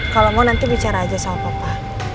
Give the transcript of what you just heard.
kalau mau nanti bicara aja sama papa